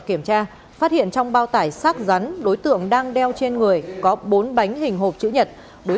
kiểm tra phát hiện trong bao tải xác rắn đối tượng đang đeo trên người có bốn bánh hình hộp chữ nhật đối